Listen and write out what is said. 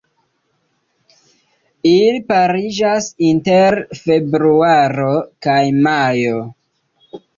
Ili pariĝas inter februaro kaj majo.